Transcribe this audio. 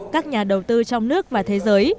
các nhà đầu tư trong nước và thế giới